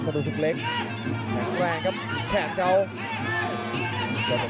กระโดยสิ้งเล็กนี่ออกกันขาสันเหมือนกันครับ